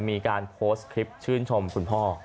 มีการโพสต์คลิปชื่นชมคุณพ่อ